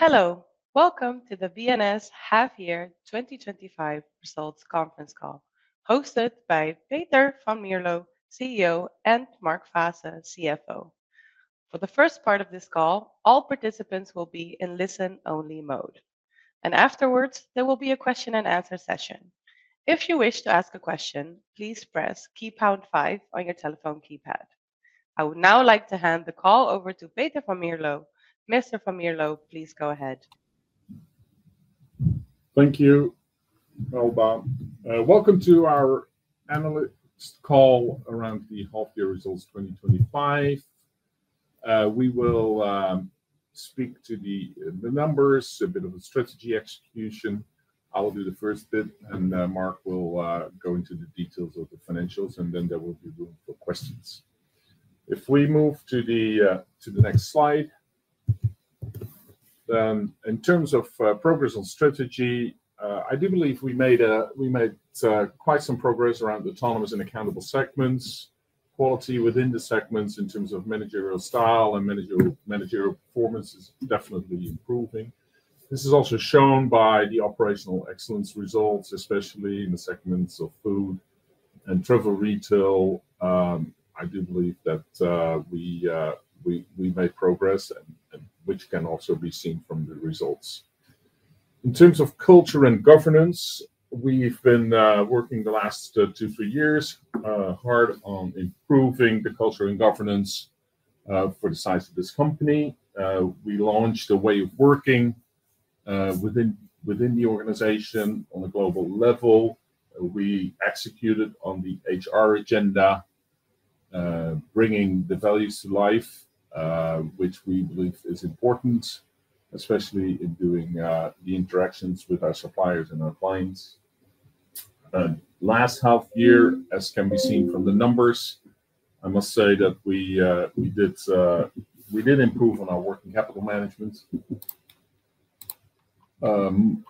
Hello, welcome to the B&S Half Year 2025 Results Conference Call hosted by Peter van Mierlo, CEO, and Mark Faasse, CFO. For the first part of this call, all participants will be in listen-only mode. Afterwards, there will be a question and answer session. If you wish to ask a question, please press key pound five on your telephone keypad. I would now like to hand the call over to Peter van Mierlo. Mr. van Mierlo, please go ahead. Thank you. Welcome to our analytics call around the half-year results 2025. We will speak to the numbers, a bit of a strategy execution. I'll do the first bit, and Mark will go into the details of the financials, then there will be room for questions. If we move to the next slide, in terms of progress on strategy, I do believe we made quite some progress around autonomous and accountable segments. Quality within the segments in terms of managerial style and managerial performance is definitely improving. This is also shown by the operational excellence results, especially in the segments of food and travel retail. I do believe that we made progress, which can also be seen from the results. In terms of culture and governance, we've been working the last two or three years hard on improving the culture and governance for the size of this company. We launched a way of working within the organization on a global level. We executed on the HR agenda, bringing the values to life, which we believe is important, especially in doing the interactions with our suppliers and our clients. Last half year, as can be seen from the numbers, I must say that we did improve on our working capital management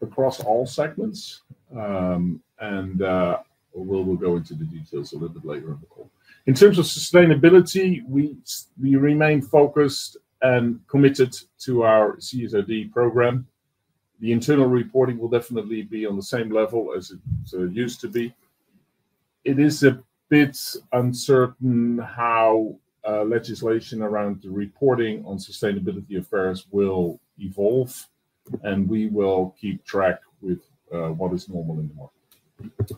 across all segments. We'll go into the details a little bit later. In terms of sustainability, we remain focused and committed to our CSRD program. The internal reporting will definitely be on the same level as it used to be. It is a bit uncertain how legislation around reporting on sustainability affairs will evolve, and we will keep track with what is normal in the market.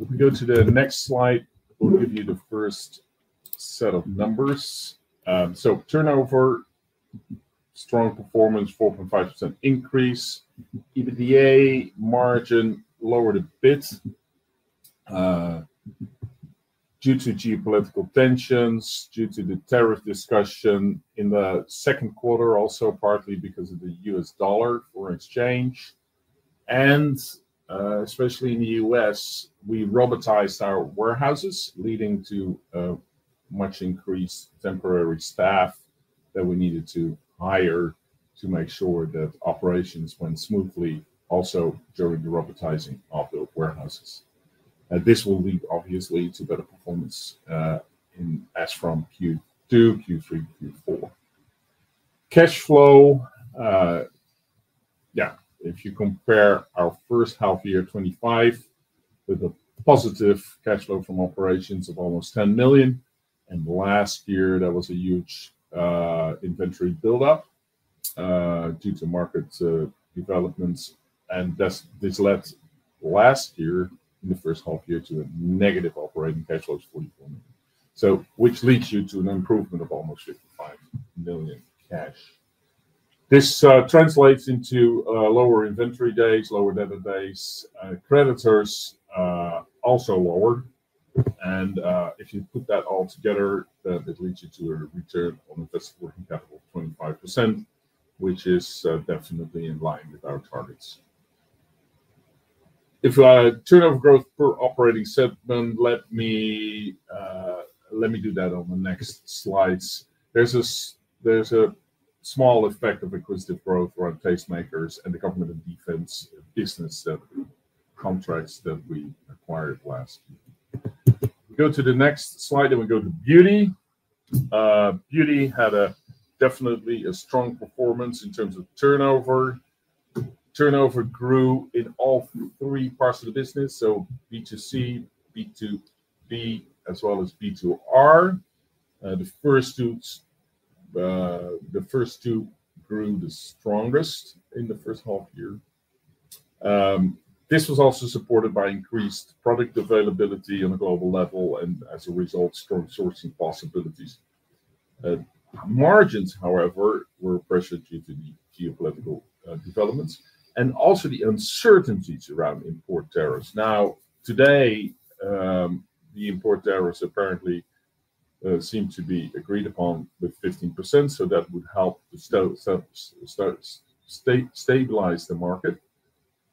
If we go to the next slide, we'll give you the first set of numbers. Turnover, strong performance, 4.5% increase. EBITDA margin lowered a bit due to geopolitical tensions, due to the tariff discussion in the second quarter, also partly because of the U.S. dollar foreign exchange. Especially in the U.S., we robotized our warehouses, leading to a much increased temporary staff that we needed to hire to make sure that operations went smoothly also during the robotization of the warehouses. This will lead obviously to better performance as from Q2, Q3, and Q4. Cash flow, if you compare our first half of the year 2025 with a positive cash flow from operations of almost 10 million, and last year there was a huge inventory buildup due to market developments. This led last year, in the first half year, to a negative operating cash flow of 44 million. Which leads you to an improvement of almost 55 million cash. This translates into lower inventory days, lower database, creditors also lower. If you put that all together, that leads you to a return on invested working capital of 25%, which is definitely in line with our targets. If I turn off growth per operating segment, let me do that on the next slides. There's a small effect of acquisitive growth around Tastemakers and the government or defense business, the contracts that we acquired last year. If we go to the next slide and we go to beauty, beauty had definitely a strong performance in terms of turnover. Turnover grew in all three parts of the business, so B2C, B2B, as well as B2R. The first two grew the strongest in the first half year. This was also supported by increased product availability on a global level and, as a result, strong sourcing possibilities. Margins, however, were pressured due to the geopolitical developments and also the uncertainties around import tariffs. Now, today, the import tariffs apparently seem to be agreed upon with 15%, so that would help stabilize the market.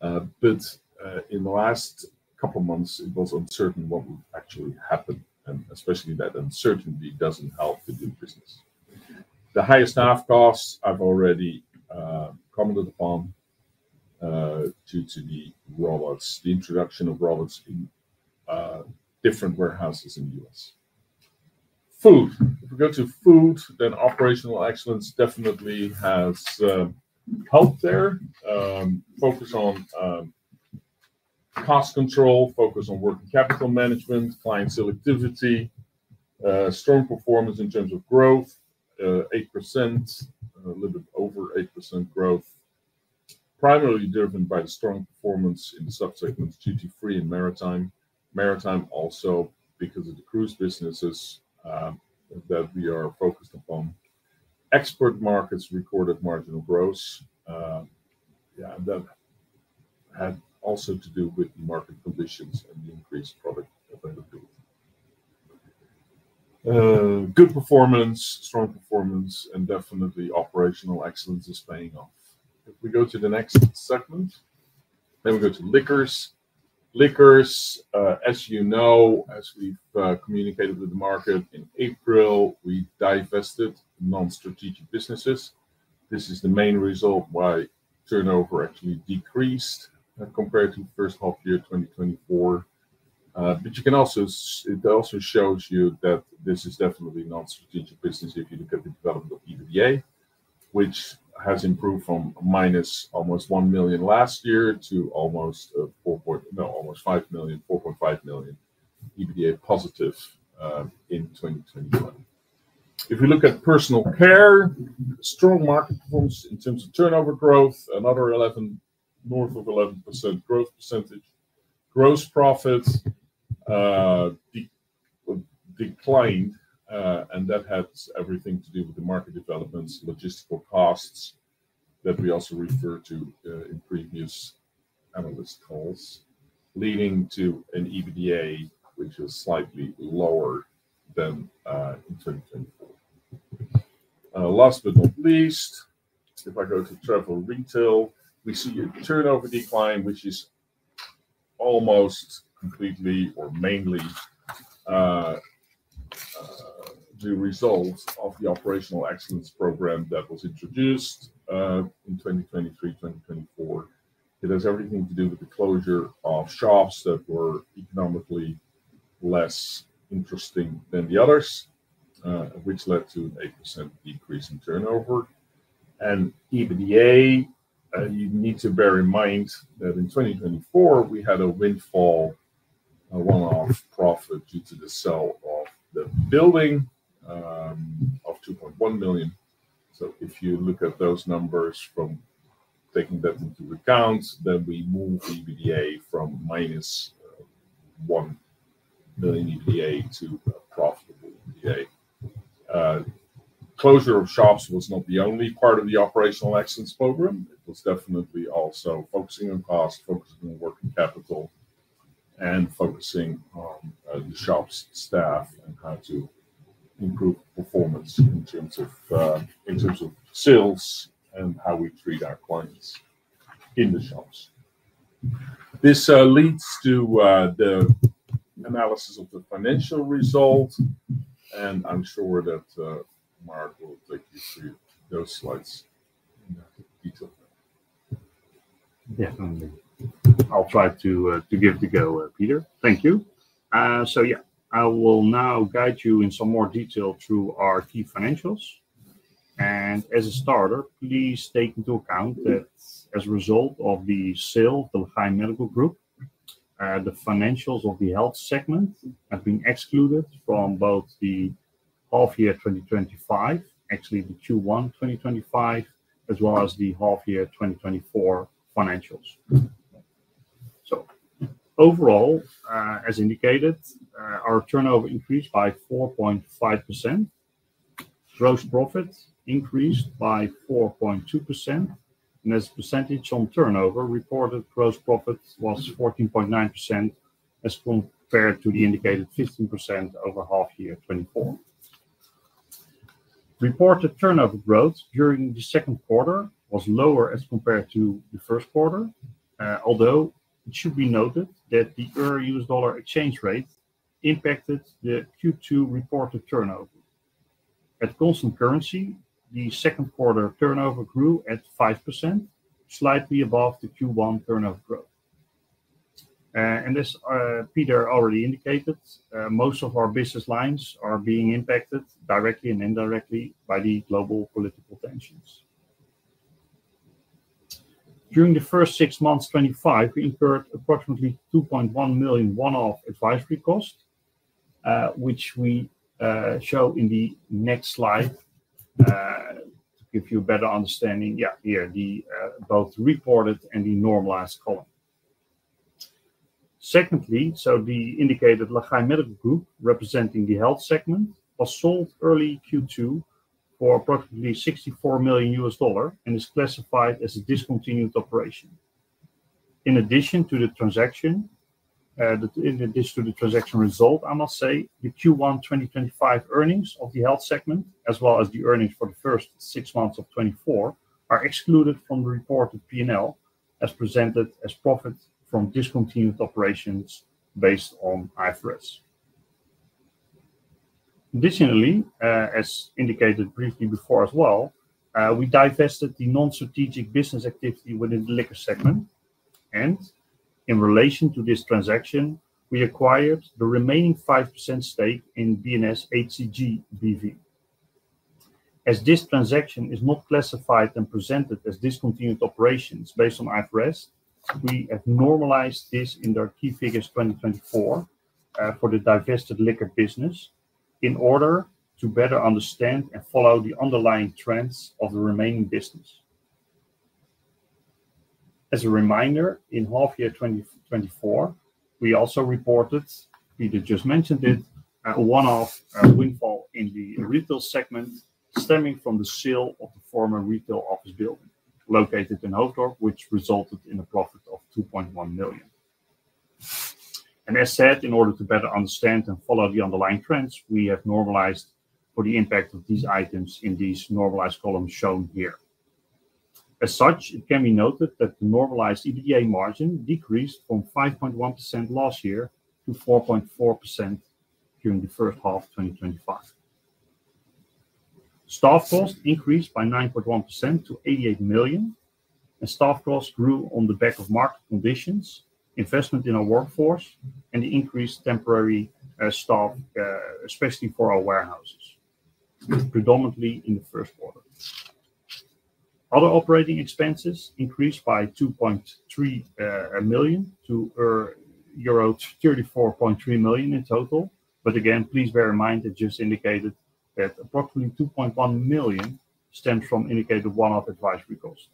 In the last couple of months, it was uncertain what would actually happen, and especially that uncertainty doesn't help to do business. The highest half cost I've already commented upon due to the introduction of robots in different warehouses in the U.S. Food. If we go to food, then operational excellence definitely has helped there. Focus on cost control, focus on working capital management, client selectivity, strong performance in terms of growth, 8%, a little bit over 8% growth, primarily driven by the strong performance in the subsegments GT3 and maritime. Maritime also because of the cruise businesses that we are focused upon. Export markets recorded marginal growth. That had also to do with the market conditions and the increased productivity. Good performance, strong performance, and definitely operational excellence is paying off. If we go to the next segment, maybe go to liquors. Liquors, as you know, as we've communicated with the market in April, we divested non-strategic businesses. This is the main reason why turnover actually decreased compared to the first half of the year 2024. It also shows you that this is definitely a non-strategic business if you look at the development of EBITDA, which has improved from minus almost 1 million last year to almost 4 million, almost 5 million, 4.5 million EBITDA positive in 2024. If we look at personal care, strong market performance in terms of turnover growth, another 11% north of 11% growth percentage. Gross profits declined, and that had everything to do with the market developments, logistical costs that we also referred to in previous analyst calls, leading to an EBITDA which was slightly lower than 2020. Last but not least, if I go to travel retail, we see a turnover decline, which is almost completely or mainly the result of the operational excellence program that was introduced in 2023-2024. It has everything to do with the closure of shops that were economically less interesting than the others, which led to an 8% decrease in turnover. You need to bear in mind that in 2024, we had a windfall, a one-off profit due to the sale of the building of 2.1 million. If you look at those numbers from taking that into account, then we move EBITDA from -1 million EBITDA to a profitable EBITDA. Closure of shops was not the only part of the operational excellence program. It was definitely also focusing on cost, focusing on working capital, and focusing on the shop's staff and trying to improve performance in terms of sales and how we treat our clients in the shops. This leads to the analysis of the financial result, and I'm sure that Mark will take you through those slides in detail. Definitely. I'll try to give the go, Peter. Thank you. I will now guide you in some more detail through our key financials. As a starter, please take into account that as a result of the sale of the Lagaay Medical Group, the financials of the health segment have been excluded from both the half-year 2025, actually the Q1 2025, as well as the half-year 2024 financials. Overall, as indicated, our turnover increased by 4.5%. Gross profits increased by 4.2%. As a percentage on turnover, reported gross profits was 14.9% as compared to the indicated 15% over half-year 2024. Reported turnover growth during the second quarter was lower as compared to the first quarter, although it should be noted that the euro-U.S. dollar exchange rate impacted the Q2 reported turnover. At the constant currency, the second quarter turnover grew at 5%, slightly above the Q1 turnover growth. As Peter already indicated, most of our business lines are being impacted directly and indirectly by the global political tensions. During the first six months of 2025, we incurred approximately 2.1 million one-off advisory expenses, which we show in the next slide to give you a better understanding. Here, the both reported and the normalized column. Secondly, so the indicated Lagaay Medical Group representing the health segment was sold early Q2 for approximately EUR 64 million and is classified as a discontinued operation. In addition to the transaction result, I must say the Q1 2025 earnings of the health segment, as well as the earnings for the first six months of 2024, are excluded from the reported P&L as presented as profit from discontinued operations based on IFRS. Additionally, as indicated briefly before as well, we divested the non-strategic business activity within the liquor segment. In relation to this transaction, we acquired the remaining 5% stake in B&S HCG B.V. As this transaction is not classified and presented as discontinued operations based on IFRS, we have normalized this in our key figures 2024 for the divested liquor business in order to better understand and follow the underlying trends of the remaining business. As a reminder, in half-year 2024, we also reported, Peter just mentioned it, a one-off windfall in the retail segment stemming from the sale of a former retail office building located in Ouddorp, which resulted in a profit of 2.1 million. As said, in order to better understand and follow the underlying trends, we have normalized for the impact of these items in these normalized columns shown here. As such, it can be noted that the normalized EBITDA margin decreased from 5.1% last year to 4.4% during the first half of 2025. Staff cost increased by 9.1% to 88 million, and staff costs grew on the back of market conditions, investment in our workforce, and the increased temporary staff, especially for our warehouses, predominantly in the first quarter. Other operating expenses increased by 2.3 million to euro 34.3 million in total. Please bear in mind that just indicated that approximately 2.1 million stems from indicated one-off advisory expenses.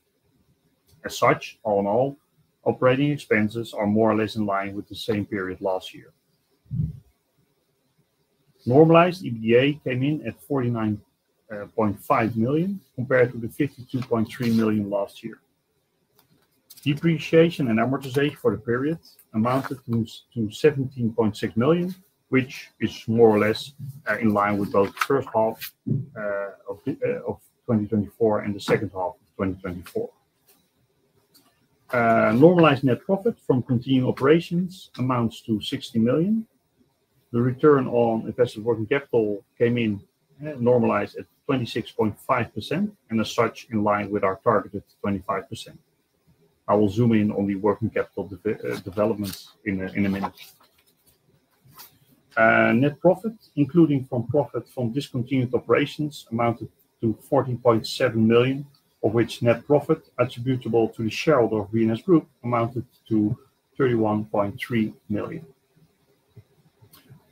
As such, all in all, operating expenses are more or less in line with the same period last year. Normalized EBITDA came in at 49.5 million compared to the 52.3 million last year. Depreciation and amortization for the period amounted to 17.6 million, which is more or less in line with both the first half of 2024 and the second half of 2024. Normalized net profit from continuing operations amounts to 60 million. The return on invested working capital came in normalized at 26.5%, and as such, in line with our target of 25%. I will zoom in on the working capital developments in a minute. Net profit, including from profits from discontinued operations, amounted to 14.7 million, of which net profit attributable to the shareholder of B&S Group amounted to 31.3 million.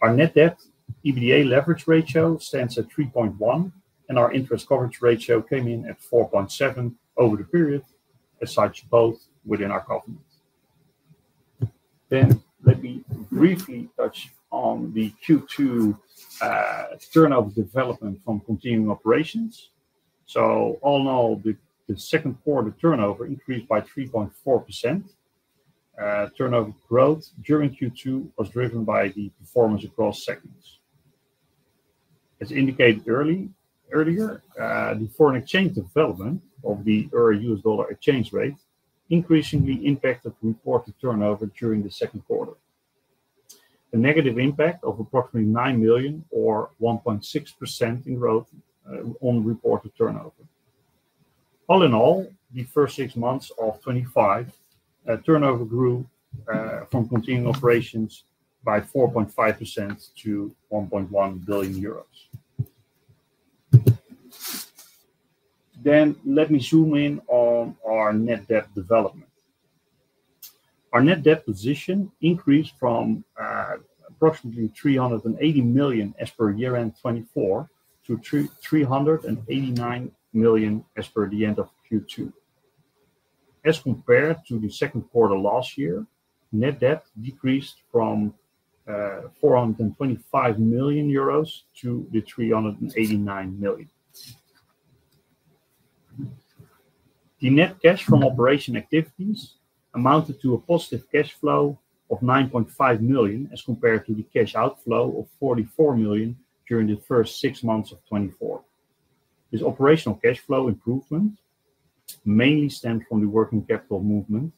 Our net debt EBITDA leverage ratio stands at 3.1x, and our interest coverage ratio came in at 4.7x over the period. As such, both within our governance. Let me briefly touch on the Q2 turnover development from continuing operations. All in all, the second quarter turnover increased by 3.4%. Turnover growth during Q2 was driven by the performance across segments. As indicated earlier, the foreign exchange development of the euro-U.S. dollar exchange rate increasingly impacted reported turnover during the second quarter. A negative impact of approximately 9 million or 1.6% in growth on reported turnover. All in all, the first six months of 2025, turnover grew from continuing operations by 4.5% to 1.1 billion euros. Let me zoom in on our net debt development. Our net debt position increased from approximately 380 million as per year-end 2024 to 389 million as per the end of Q2. As compared to the second quarter last year, net debt decreased from 425 million euros to 389 million. The net cash from operation activities amounted to a positive cash flow of 9.5 million as compared to the cash outflow of 44 million during the first six months of 2024. This operational cash flow improvement mainly stemmed from the working capital movement.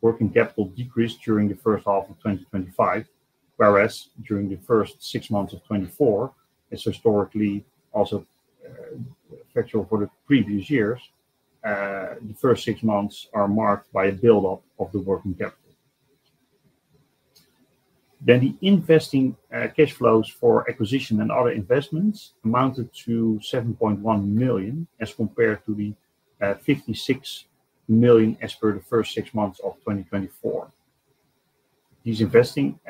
Working capital decreased during the first half of 2025, whereas during the first six months of 2024, as historically also factual for the previous years, the first six months are marked by a buildup of the working capital. The investing cash flows for acquisition and other investments amounted to 7.1 million as compared to the 56 million as per the first six months of 2024. These investing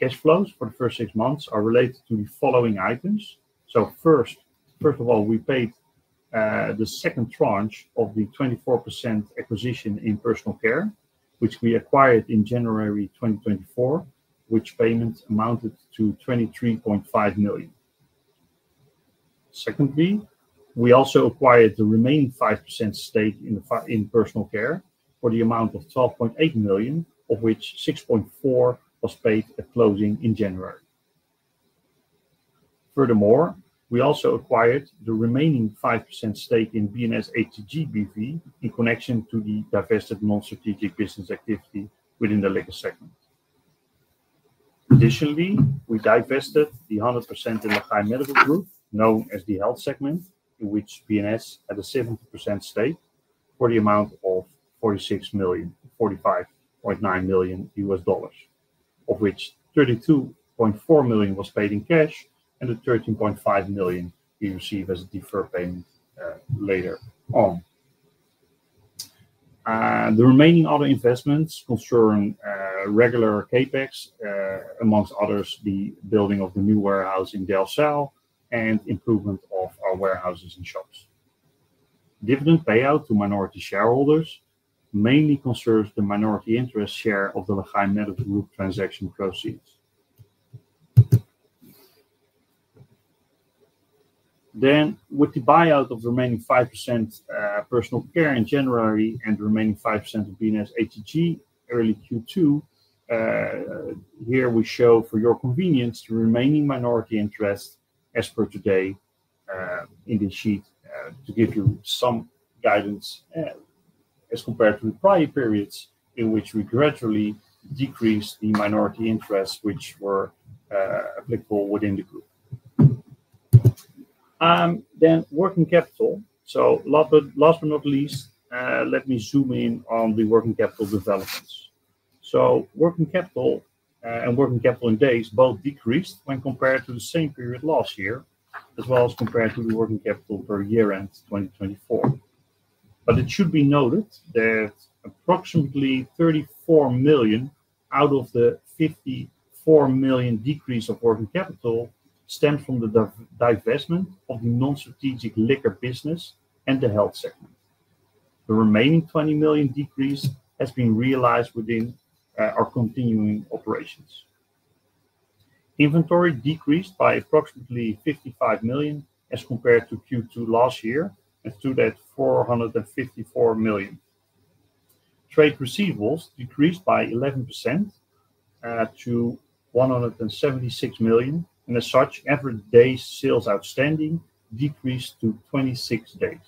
cash flows for the first six months are related to the following items. First of all, we paid the second tranche of the 24% acquisition in personal care, which we acquired in January 2024, which payment amounted to 23.5 million. Secondly, we also acquired the remaining 5% stake in personal care for the amount of 12.8 million, of which 6.4 million was paid at closing in January. Furthermore, we also acquired the remaining 5% stake in B&S HCG B.V. in connection to the divested non-strategic business activity within the liquor segment. Additionally, we divested the 100% in Lagaay Medical Group, known as the health segment, in which B&S had a 7% stake for the amount of 46.9 million, of which 32.4 million was paid in cash and the 13.5 million we receive as a deferred payment later on. The remaining other investments concern regular CapEx, amongst others, the building of the new warehouse in Delfzijl and improvement of our warehouses and shops. Dividend payout to minority shareholders mainly concerns the minority interest share of the Lagaay Medical Group transaction proceeds. With the buyout of the remaining 5% personal care in January and the remaining 5% of B&S HCG early Q2, here we show for your convenience the remaining minority interest as per today in the sheet to give you some guidance as compared to the prior periods in which we gradually decreased the minority interests which were meant for within the group. Working capital. Last but not least, let me zoom in on the working capital developments. Working capital and working capital in days both decreased when compared to the same period last year, as well as compared to the working capital per year-end 2024. It should be noted that approximately 34 million out of the 54 million decrease of working capital stem from the divestment of the non-strategic liquor business and the health segment. The remaining 20 million decrease has been realized within our continuing operations. Inventory decreased by approximately 55 million as compared to Q2 last year and stood at 454 million. Trade receivables decreased by 11% to 176 million, and as such, average day sales outstanding decreased to 26 days.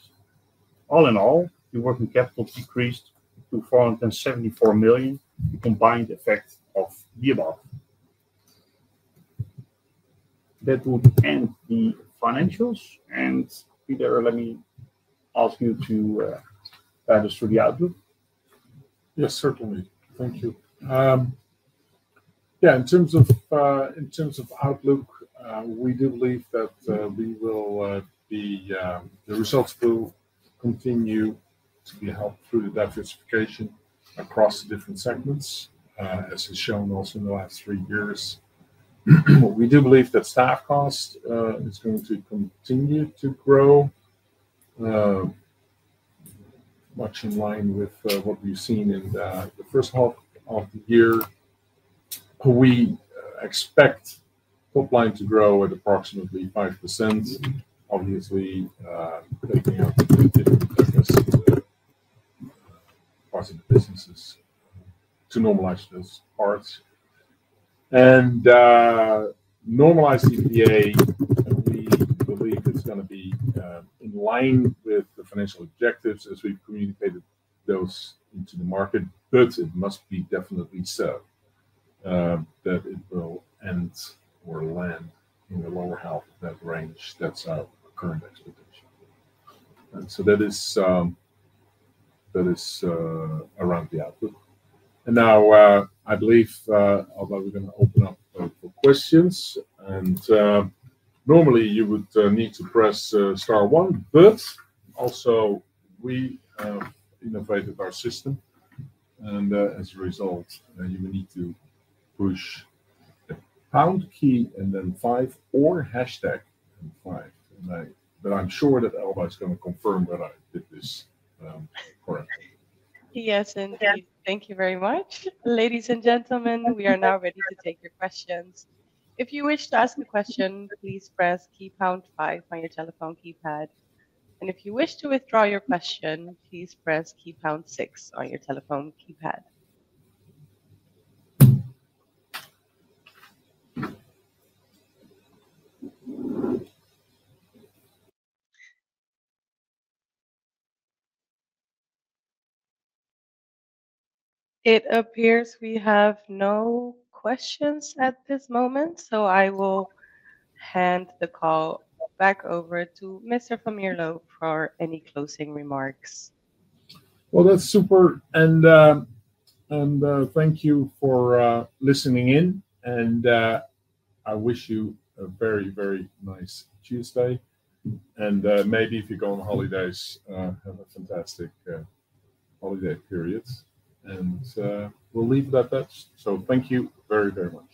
All in all, the working capital decreased to 474 million to combine the effect of the above. That would end the financials, and Peter, let me ask you to guide us through the outlook. Yes, certainly. Thank you. In terms of outlook, we do believe that we will be the results will continue to help through the diversification across the different segments, as has shown also in the last three years. We do believe that staff cost is going to continue to grow, much in line with what we've seen in the first half of the year. We expect top line to grow at approximately 5%. Obviously, they have to do businesses to normalize those parts. Normalizing EBITDA, we believe it's going to be in line with the financial objectives as we've communicated those into the market, but it must be definitely so that it will end or land in the lower half of that range. That's our current expectation. That is around the outlook. I believe we're going to open up for questions. Normally, you would need to press star one, but also we have innovated our system. As a result, you may need to push pound key and then five or hashtag and five. I'm sure that Alba is going to confirm that I did this correctly. Yes, thank you. Thank you very much. Ladies and gentlemen, we are now ready to take your questions. If you wish to ask a question, please press key pound five on your telephone keypad. If you wish to withdraw your question, please press key pound six on your telephone keypad. It appears we have no questions at this moment, so I will hand the call back over to Mr. van Mierlo for any closing remarks. Thank you for listening in. I wish you a very, very nice Tuesday. If you go on holidays, have a fantastic holiday period. We'll leave it at that. Thank you very, very much.